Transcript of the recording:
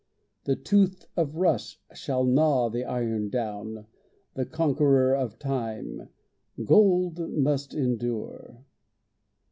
The tooth of rust shall gnaw the iron down. The conqueror of time, gold must endure.